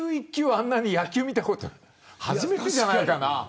あんなに野球を見たのは初めてじゃないかな。